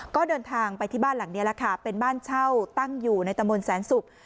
ก็เดินทางไปที่บ้านหลังนี้แหละค่ะเป็นบ้านเช่าตั้งอยู่ในตะมนต์แสนศุกร์